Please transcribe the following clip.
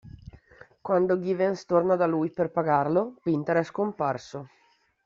Quando Givens torna da lui per pagarlo, Pinter è scomparso.